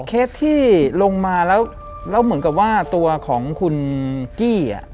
เคสที่ลงมาแล้วเหมือนกับว่าตัวของคุณกี้